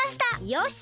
よし。